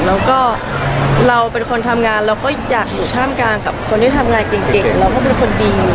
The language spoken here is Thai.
แล้วก็เราเป็นคนทำงานเราก็อยากอยู่ท่ามกลางกับคนที่ทำงานเก่งเราก็เป็นคนดี